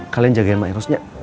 kalian jagain mak irosnya